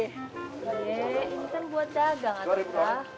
ini kan buat dagang